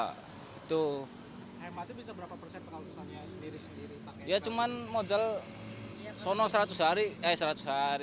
hemat itu bisa berapa persen pengawasannya sendiri sendiri